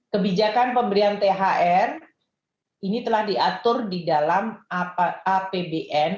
kebijakan pemberian thr ini telah diatur di dalam apbn